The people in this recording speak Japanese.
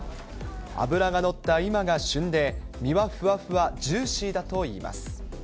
脂が乗った今が旬で、身はふわふわ、ジューシーだといいます。